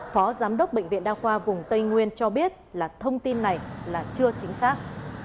phó giám đốc bệnh viện đa khoa vùng tây nguyên cho biết là thông tin này là chưa chính xác